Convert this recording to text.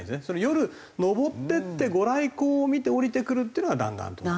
夜登っていってご来光を見て下りてくるっていうのが弾丸登山。